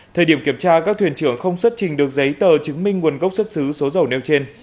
thời điểm kiểm tra các thuyền trưởng không xuất trình được giấy tờ chứng minh nguồn gốc xuất xứ số dầu nêu trên